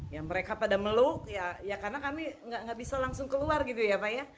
ya mereka pada meluk ya karena kami nggak bisa langsung keluar gitu ya pak ya